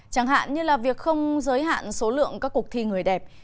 chẳng hạn như là việc không giới hạn số lượng các cuộc thi người đẹp